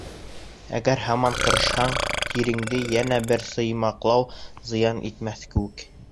— Әгәр һаман ҡарышһаң, тиреңде йәнә бер сыймаҡлау зыян итмәҫ кеүек.